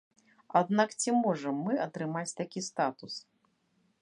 Аднак ці можам мы атрымаць такі статус?